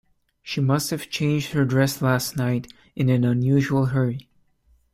She must have changed her dress last night in an unusual hurry.